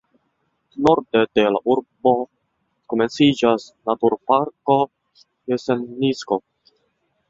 Norde de la urbo komenciĝas naturparko Jesenicko.